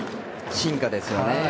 進化ですよね。